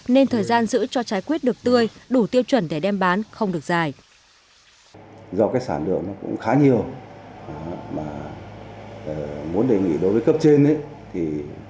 nên thời gian giữ cho trái quýt được tươi đủ tiêu chuẩn để đem bán không được dài